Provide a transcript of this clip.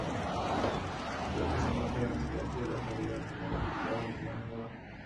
Lo que se nota es el silencio y la suavidad en cada maniobra.